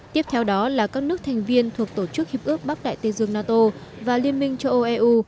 tiếp theo đó là các nước thành viên thuộc tổ chức hiệp ước bắc đại tây dương nato và liên minh châu âu eu